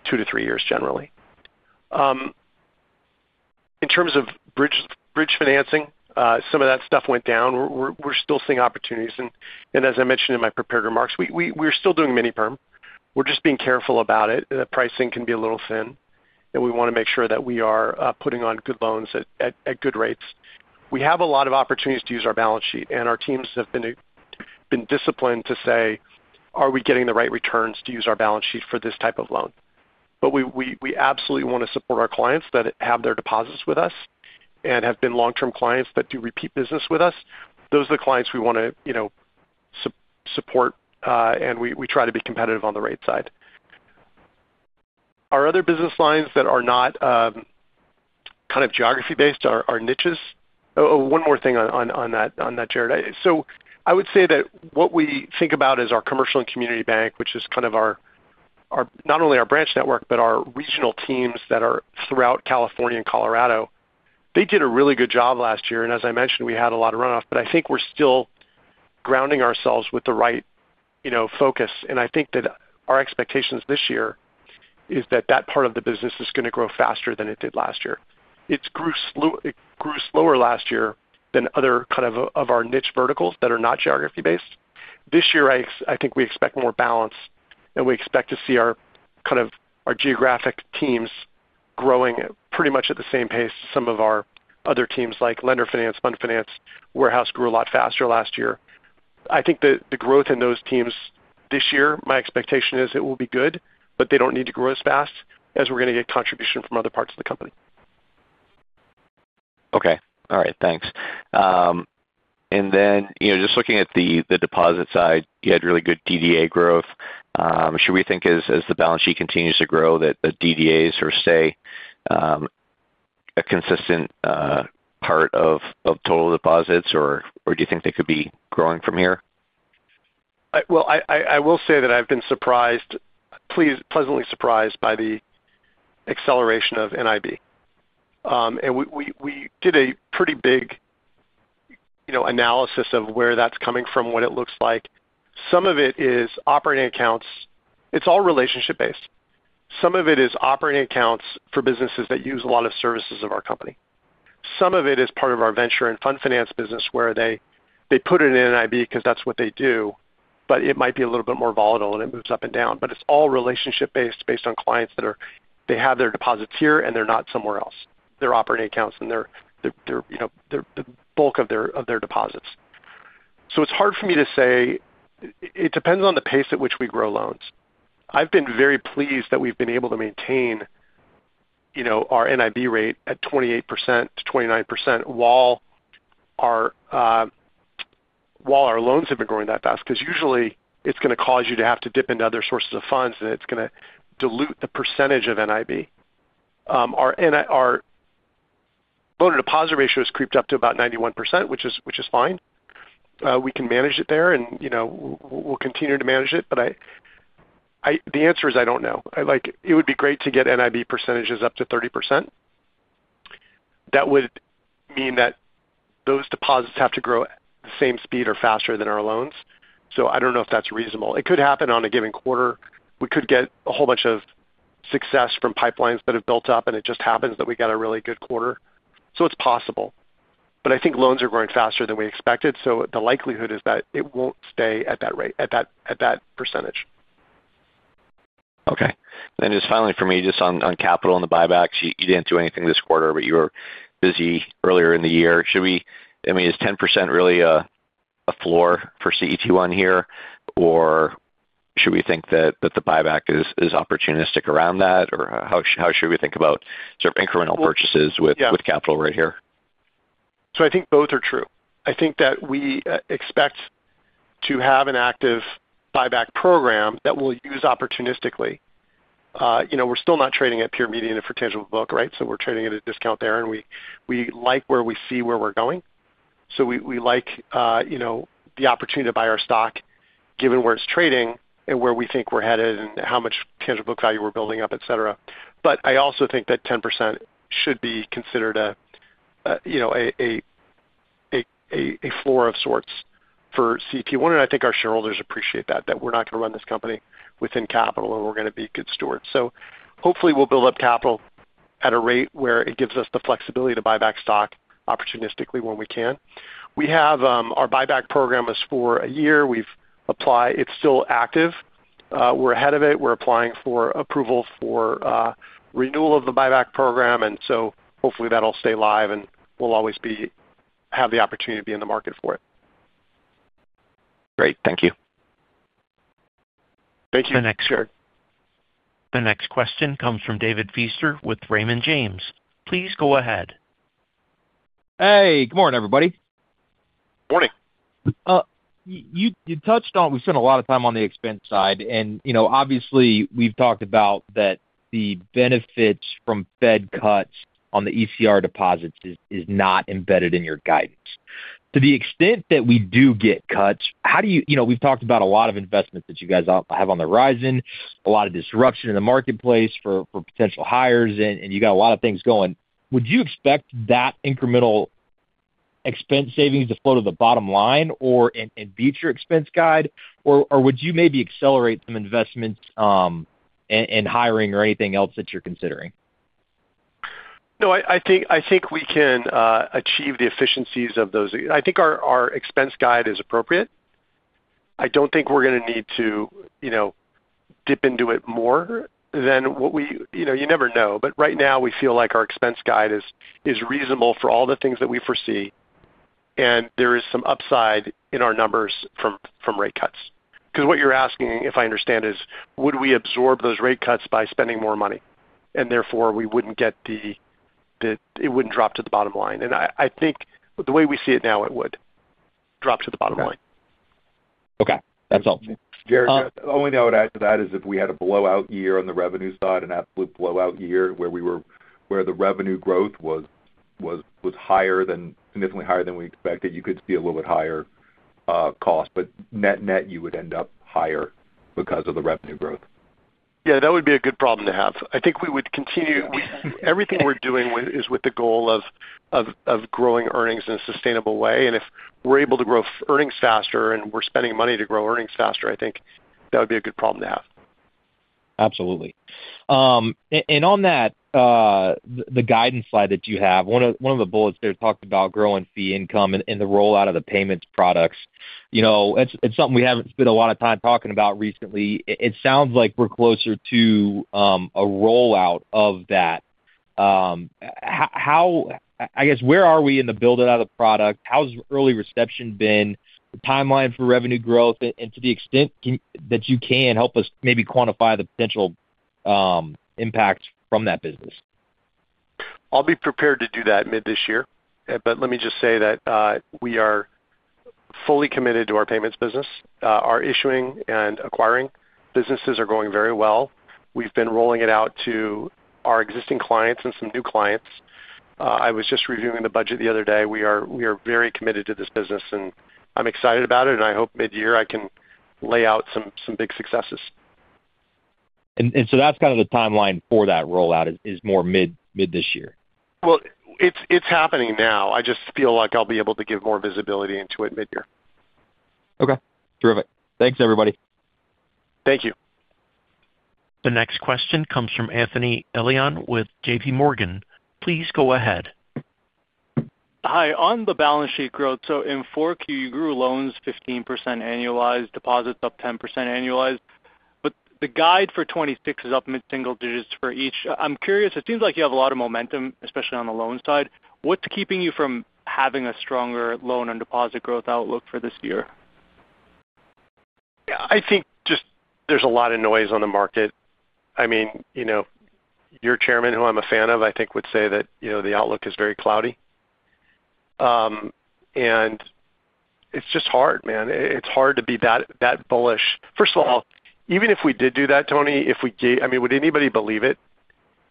two to three years generally. In terms of bridge financing, some of that stuff went down. We're still seeing opportunities, and as I mentioned in my prepared remarks, we're still doing mini-perm. We're just being careful about it. The pricing can be a little thin, and we want to make sure that we are putting on good loans at good rates. We have a lot of opportunities to use our balance sheet, and our teams have been disciplined to say, "Are we getting the right returns to use our balance sheet for this type of loan?" But we absolutely want to support our clients that have their deposits with us and have been long-term clients that do repeat business with us. Those are the clients we want to support, and we try to be competitive on the rate side. Our other business lines that are not kind of geography-based are niches. One more thing on that, Jared. So I would say that what we think about is our commercial and community bank, which is kind of not only our branch network, but our regional teams that are throughout California and Colorado. They did a really good job last year, and as I mentioned, we had a lot of runoff, but I think we're still grounding ourselves with the right focus, and I think that our expectations this year is that that part of the business is going to grow faster than it did last year. It grew slower last year than other kind of our niche verticals that are not geography-based. This year, I think we expect more balance. We expect to see our geographic teams growing pretty much at the same pace as some of our other teams like lender finance, fund finance, warehouse. They grew a lot faster last year. I think the growth in those teams this year, my expectation is it will be good, but they don't need to grow as fast as we're going to get contribution from other parts of the company. Okay. All right. Thanks. And then just looking at the deposit side, you had really good DDA growth. Should we think as the balance sheet continues to grow that the DDAs sort of stay a consistent part of total deposits, or do you think they could be growing from here? I will say that I've been surprised, pleasantly surprised by the acceleration of NIB. We did a pretty big analysis of where that's coming from, what it looks like. Some of it is operating accounts. It's all relationship-based. Some of it is operating accounts for businesses that use a lot of services of our company. Some of it is part of our venture and fund finance business where they put it in NIB because that's what they do. It might be a little bit more volatile, and it moves up and down. It's all relationship-based on clients that they have their deposits here, and they're not somewhere else. They're operating accounts, and they're the bulk of their deposits. It's hard for me to say. It depends on the pace at which we grow loans. I've been very pleased that we've been able to maintain our NIB rate at 28%-29% while our loans have been growing that fast because usually, it's going to cause you to have to dip into other sources of funds, and it's going to dilute the percentage of NIB. Our loan and deposit ratio has crept up to about 91%, which is fine. We can manage it there, and we'll continue to manage it. But the answer is I don't know. It would be great to get NIB percentages up to 30%. That would mean that those deposits have to grow at the same speed or faster than our loans. So I don't know if that's reasonable. It could happen on a given quarter. We could get a whole bunch of success from pipelines that have built up, and it just happens that we got a really good quarter. So it's possible. But I think loans are growing faster than we expected. So the likelihood is that it won't stay at that rate, at that percentage. Okay. Then just finally for me, just on capital and the buybacks, you didn't do anything this quarter, but you were busy earlier in the year. Should we I mean, is 10% really a floor for CET1 here, or should we think that the buyback is opportunistic around that, or how should we think about sort of incremental purchases with capital right here? So I think both are true. I think that we expect to have an active buyback program that we'll use opportunistically. We're still not trading at peer median of tangible book, right? So we're trading at a discount there. And we like where we see where we're going. So we like the opportunity to buy our stock given where it's trading and where we think we're headed and how much tangible book value we're building up, etc. But I also think that 10% should be considered a floor of sorts for CET1. And I think our shareholders appreciate that, that we're not going to run this company thin on capital, and we're going to be good stewards. So hopefully, we'll build up capital at a rate where it gives us the flexibility to buy back stock opportunistically when we can. Our buyback program is for a year. It's still active. We're ahead of it. We're applying for approval for renewal of the buyback program. And so hopefully, that'll stay live, and we'll always have the opportunity to be in the market for it. Great. Thank you. Thank you. The next question comes from David Feaster with Raymond James. Please go ahead. Hey. Good morning, everybody. Morning. You touched on. We spent a lot of time on the expense side. Obviously, we've talked about that the benefit from Fed cuts on the ECR deposits is not embedded in your guidance. To the extent that we do get cuts, how do you? We've talked about a lot of investments that you guys have on the horizon, a lot of disruption in the marketplace for potential hires, and you got a lot of things going. Would you expect that incremental expense savings to flow to the bottom line or impact your expense guide, or would you maybe accelerate some investments in hiring or anything else that you're considering? No, I think we can achieve the efficiencies of those. I think our expense guide is appropriate. I don't think we're going to need to dip into it more than what, you never know. But right now, we feel like our expense guide is reasonable for all the things that we foresee. And there is some upside in our numbers from rate cuts. Because what you're asking, if I understand, is would we absorb those rate cuts by spending more money? And therefore, we wouldn't get it. It wouldn't drop to the bottom line. And I think the way we see it now, it would drop to the bottom line. Okay. That's helpful. Jared, the only thing I would add to that is if we had a blowout year on the revenue side and absolute blowout year where the revenue growth was significantly higher than we expected, you could see a little bit higher cost. But net net, you would end up higher because of the revenue growth. Yeah. That would be a good problem to have. I think we would continue everything we're doing is with the goal of growing earnings in a sustainable way. And if we're able to grow earnings faster and we're spending money to grow earnings faster, I think that would be a good problem to have. Absolutely. And on that, the guidance slide that you have, one of the bullets there talked about growing fee income and the rollout of the payments products. It's something we haven't spent a lot of time talking about recently. It sounds like we're closer to a rollout of that. I guess, where are we in the build-out of the product? How's early reception been? The timeline for revenue growth? And to the extent that you can, help us maybe quantify the potential impact from that business. I'll be prepared to do that mid this year. But let me just say that we are fully committed to our payments business. Our issuing and acquiring businesses are going very well. We've been rolling it out to our existing clients and some new clients. I was just reviewing the budget the other day. We are very committed to this business. And I'm excited about it. And I hope mid-year I can lay out some big successes. That's kind of the timeline for that rollout is more mid this year. It's happening now. I just feel like I'll be able to give more visibility into it mid-year. Okay. Terrific. Thanks, everybody. Thank you. The next question comes from Anthony Elian with J.P. Morgan. Please go ahead. Hi. On the balance sheet growth, so in 4Q, you grew loans 15% annualized, deposits up 10% annualized. But the guide for 2026 is up mid-single digits for each. I'm curious. It seems like you have a lot of momentum, especially on the loan side. What's keeping you from having a stronger loan and deposit growth outlook for this year? Yeah. I think just there's a lot of noise on the market. I mean, your chairman, who I'm a fan of, I think would say that the outlook is very cloudy. And it's just hard, man. It's hard to be that bullish. First of all, even if we did do that, Tony, if we gave, I mean, would anybody believe it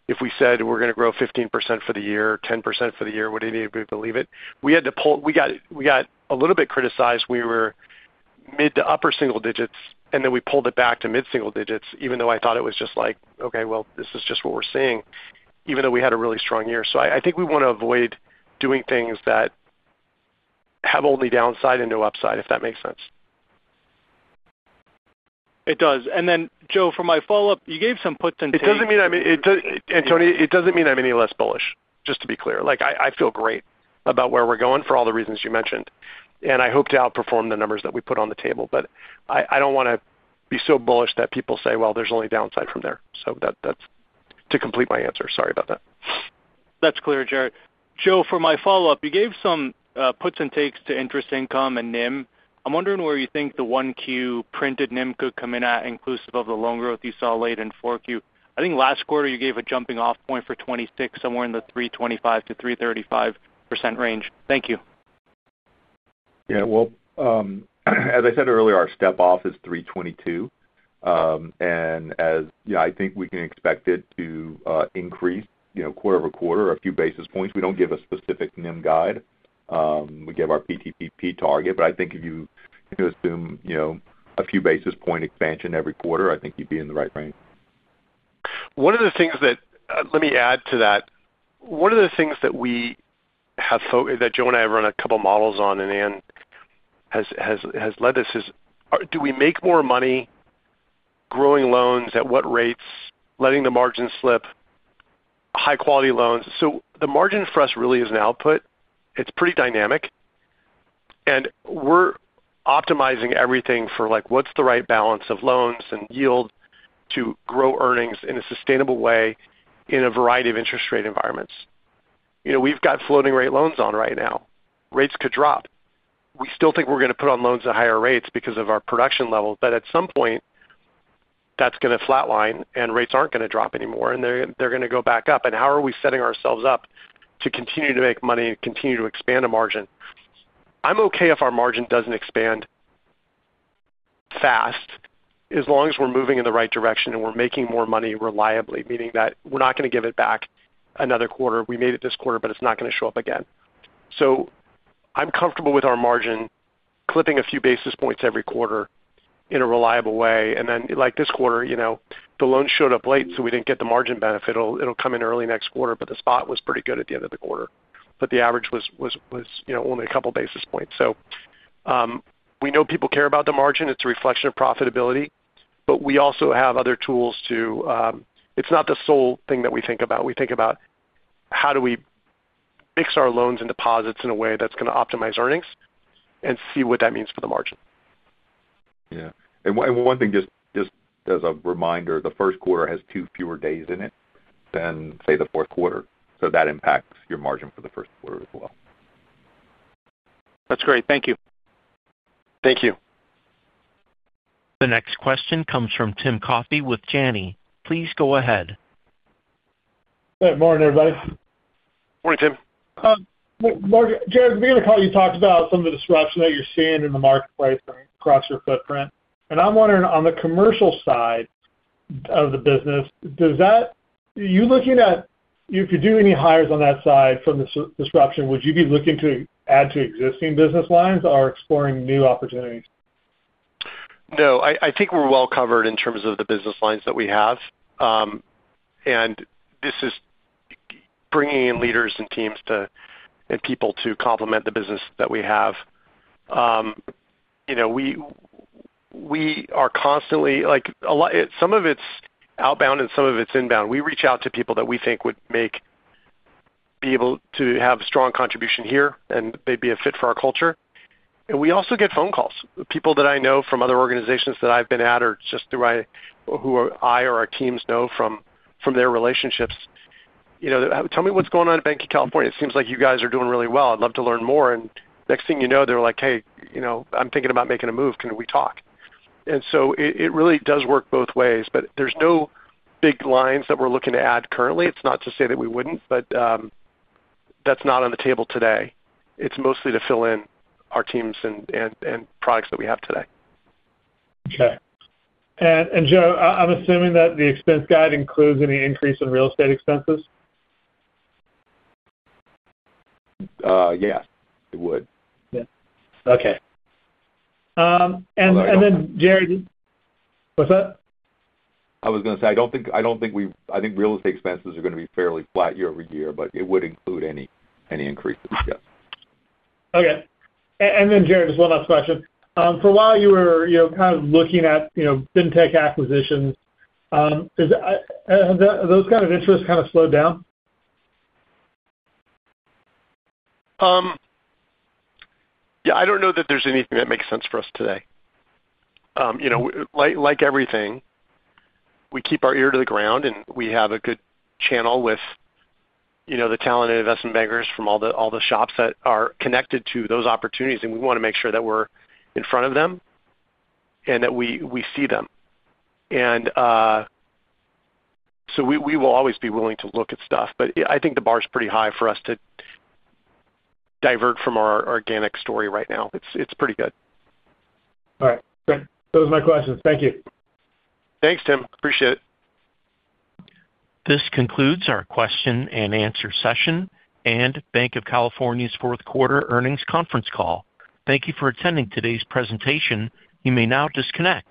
if we said we're going to grow 15% for the year, 10% for the year? Would anybody believe it? We had to pull, we got a little bit criticized. We were mid to upper single digits, and then we pulled it back to mid-single digits, even though I thought it was just like, "Okay. This is just what we're seeing," even though we had a really strong year. I think we want to avoid doing things that have only downside and no upside, if that makes sense. It does. Joe, for my follow-up, you gave some puts and takes. It doesn't mean I'm any Tony, it doesn't mean I'm any less bullish, just to be clear. I feel great about where we're going for all the reasons you mentioned. I hope to outperform the numbers that we put on the table. I don't want to be so bullish that people say, "There's only downside from there." That's to complete my answer. Sorry about that. That's clear, Jared. Joe, for my follow-up, you gave some puts and takes to interest income and NIM. I'm wondering where you think the 1Q printed NIM could come in at inclusive of the loan growth you saw late in 4Q. I think last quarter, you gave a jumping-off point for 2026 somewhere in the 325%-335% range. Thank you. Yeah, well, as I said earlier, our step-off is 322, and I think we can expect it to increase quarter over quarter a few basis points. We don't give a specific NIM guide. We give our PTPP target, but I think if you assume a few basis points expansion every quarter, I think you'd be in the right range. One of the things that we have that Joe and I have run a couple of models on and Ann has led us is, do we make more money growing loans at what rates, letting the margin slip, high-quality loans? So the margin for us really is an output. It's pretty dynamic. And we're optimizing everything for what's the right balance of loans and yield to grow earnings in a sustainable way in a variety of interest rate environments. We've got floating-rate loans on right now. Rates could drop. We still think we're going to put on loans at higher rates because of our production level. But at some point, that's going to flatline, and rates aren't going to drop anymore, and they're going to go back up. How are we setting ourselves up to continue to make money and continue to expand a margin? I'm okay if our margin doesn't expand fast as long as we're moving in the right direction and we're making more money reliably, meaning that we're not going to give it back another quarter. We made it this quarter, but it's not going to show up again. So I'm comfortable with our margin clipping a few basis points every quarter in a reliable way. And then like this quarter, the loan showed up late, so we didn't get the margin benefit. It'll come in early next quarter, but the spot was pretty good at the end of the quarter. But the average was only a couple of basis points. So we know people care about the margin. It's a reflection of profitability. But we also have other tools too. It's not the sole thing that we think about. We think about how do we mix our loans and deposits in a way that's going to optimize earnings and see what that means for the margin. Yeah. And one thing, just as a reminder, the first quarter has two fewer days in it than, say, the fourth quarter. So that impacts your margin for the first quarter as well. That's great. Thank you. Thank you. The next question comes from Timothy Coffey with Janney. Please go ahead. Good morning, everybody. Morning, Tim. Jared, you talked about some of the disruption that you're seeing in the marketplace across your footprint. And I'm wondering, on the commercial side of the business, does that have you looking at if you do any hires on that side from the disruption, would you be looking to add to existing business lines or exploring new opportunities? No. I think we're well covered in terms of the business lines that we have, and this is bringing in leaders and teams and people to complement the business that we have. We are constantly, some of it's outbound and some of it's inbound. We reach out to people that we think would be able to have a strong contribution here, and they'd be a fit for our culture, and we also get phone calls. People that I know from other organizations that I've been at or just who I or our teams know from their relationships, "Tell me what's going on at Banc of California. It seems like you guys are doing really well. I'd love to learn more," and next thing you know, they're like, "Hey, I'm thinking about making a move. Can we talk?" so it really does work both ways. But there's no big lines that we're looking to add currently. It's not to say that we wouldn't, but that's not on the table today. It's mostly to fill in our teams and products that we have today. Okay, and Joe, I'm assuming that the expense guide includes any increase in real estate expenses? Yes, it would. Yeah. Okay. And then, Jared what's that? I was going to say, I don't think. I think real estate expenses are going to be fairly flat year over year, but it would include any increases. Yes. Okay. And then, Jared, just one last question. For a while, you were kind of looking at fintech acquisitions. Have those kind of interests kind of slowed down? Yeah. I don't know that there's anything that makes sense for us today. Like everything, we keep our ear to the ground, and we have a good channel with the talented investment bankers from all the shops that are connected to those opportunities. And we want to make sure that we're in front of them and that we see them. And so we will always be willing to look at stuff. But I think the bar's pretty high for us to divert from our organic story right now. It's pretty good. All right. Great. Those are my questions. Thank you. Thanks, Tim. Appreciate it. This concludes our question and answer session and Banc of California's Q4 earnings conference call. Thank you for attending today's presentation. You may now disconnect.